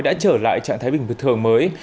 đã trở lại trạng thái bình thường mới